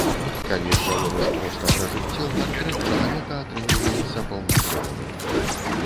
Калі ж гаворыш проста пра жыццё, партрэт чалавека атрымліваецца паўнакроўным.